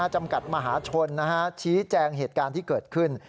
จำกัดมหาชนชี้แจงเหตุการณ์ที่เกิดขึ้น